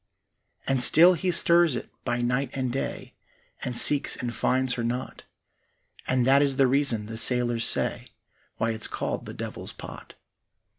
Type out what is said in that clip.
And still he stirs it by night and day, And seeks and finds her not; And that is the reason, the sailors say, Why it's called the Devil's Pot.